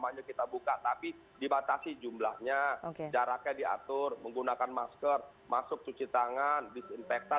banyak kita buka tapi dibatasi jumlahnya jaraknya diatur menggunakan masker masuk cuci tangan disinfektan